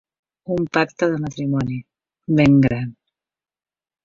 Un pacte de matrimoni, ben gran.